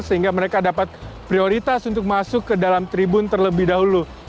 sehingga mereka dapat prioritas untuk masuk ke dalam tribun terlebih dahulu